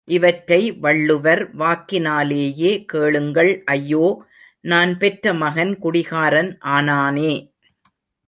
இவற்றை வள்ளுவர் வாக்கினாலேயே கேளுங்கள் ஐயோ, நான் பெற்ற மகன் குடிகாரன் ஆனானே.